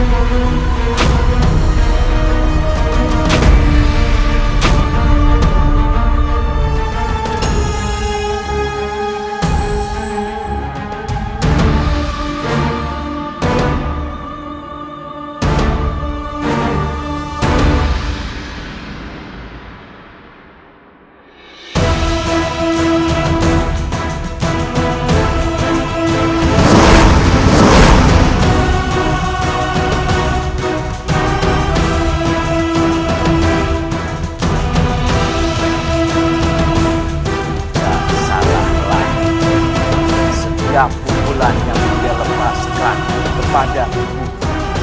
kau telah berubah menjadi seorang manusia yang lemah dan kunjung